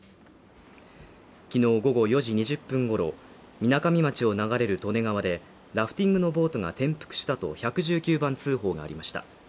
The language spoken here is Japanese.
きのう午後４時２０分ごろ、みなかみ町を流れる利根川でラフティングのボートが転覆したと１１９番通報がありました。